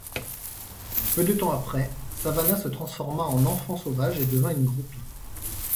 Peu de temps après, Savannah se transforma en enfant sauvage et devint une groupie.